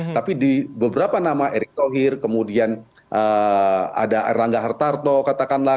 tapi di beberapa nama erick thohir kemudian ada erlangga hartarto katakanlah